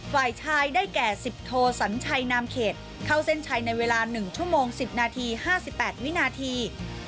ฝ่ายชายได้แก่สิบโทสัญชัยนามเขตเข้าเส้นชัยในเวลาหนึ่งชั่วโมงสิบนาทีห้าสิบแปดวินาที